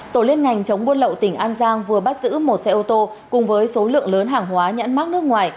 tổ liên ngành chống buôn lậu tỉnh an giang vừa bắt giữ một xe ô tô cùng với số lượng lớn hàng hóa nhãn mắc nước ngoài